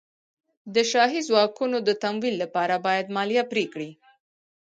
د شاهي ځواکونو د تمویل لپاره باید مالیه پرې کړي.